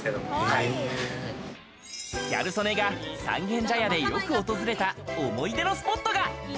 ギャル曽根が三軒茶屋でよく訪れた思い出のスポットが。